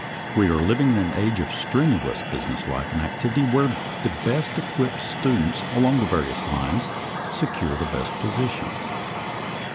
We are living in an age of strenuous business life and activity, where the best equipped students along the various lines secure the best positions.